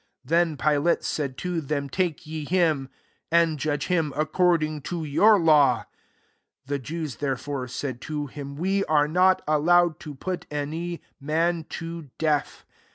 31 Then Pilate said to them, " Take ye him, and judge him according to your law." The Jews, therefore, said to him, " We are not allowed to put any man to death."